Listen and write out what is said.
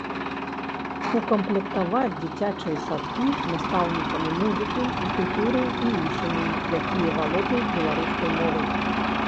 Укамплектаваць дзіцячыя садкі настаўнікамі музыкі, фізкультуры і іншымі, якія валодаюць беларускай мовай.